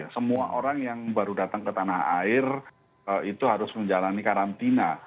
semua orang yang baru datang ke tanah air itu harus menjalani karantina